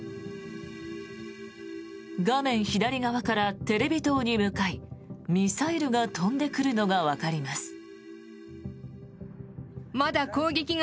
画面左側からテレビ塔に向かいミサイルが飛んでくるのがわかります。